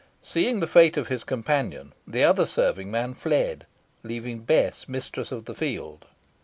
Seeing the fate of his companion, the other serving man fled, leaving Bess mistress of the field.